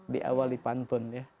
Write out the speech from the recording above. di awal di pantun ya